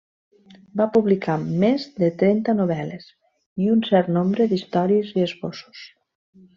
Va publicar més de trenta novel·les i un cert nombre d'històries i esbossos.